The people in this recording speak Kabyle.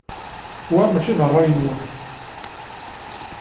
Wa maci d ṛṛay-nwent.